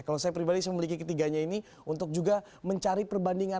kalau saya pribadi saya memiliki ketiganya ini untuk juga mencari perbandingan